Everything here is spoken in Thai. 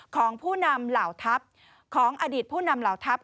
ของผู้นำเหล่าทัพของอดีตผู้นำเหล่าทัพ